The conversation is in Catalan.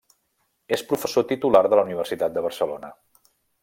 És professor titular de la Universitat de Barcelona.